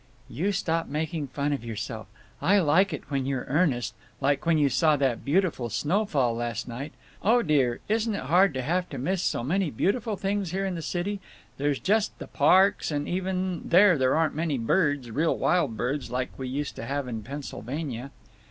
"You stop making fun of yourself! I like it when you're earnest—like when you saw that beautiful snowfall last night…. Oh dear, isn't it hard to have to miss so many beautiful things here in the city—there's just the parks, and even there there aren't any birds, real wild birds, like we used to have in Pennsylvania."